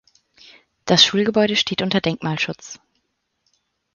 Das Schulgebäude steht unter Denkmalschutz.